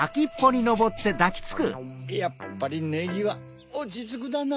やっぱりネギはおちつくだな。